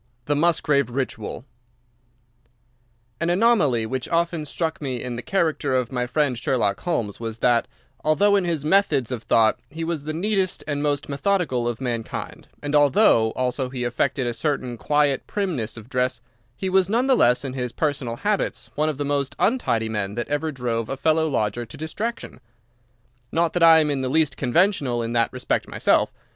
VI. The Musgrave Ritual An anomaly which often struck me in the character of my friend Sherlock Holmes was that, although in his methods of thought he was the neatest and most methodical of mankind, and although also he affected a certain quiet primness of dress, he was none the less in his personal habits one of the most untidy men that ever drove a fellow lodger to distraction. Not that I am in the least conventional in that respect myself.